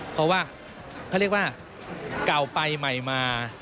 เพราะว่าเขาเรียกว่าเก่าไปใหม่มา